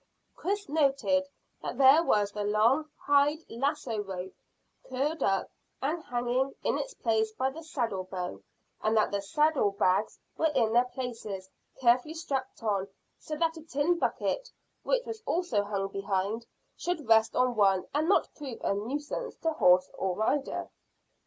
Chris noted that there was the long hide lasso rope curled up and hanging in its place by the saddle bow, and that the saddle bags were in their places, carefully strapped on, so that a tin bucket, which was also hung behind, should rest on one and not prove a nuisance to horse or rider.